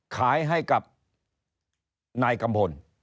ขายให้กับนายกัมพล